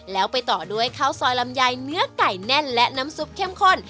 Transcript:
แล้วไปต่อด้วยข้าวซอยลำไยเนื้อไก่แน่นและน้ำซุปเข้มข้น